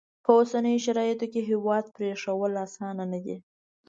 په اوسنیو شرایطو کې هیواد پرېښوول اسانه نه دي.